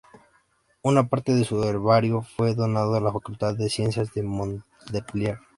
Una parte de su herbario fue donado a la "Facultad de Ciencias" de Montpelier.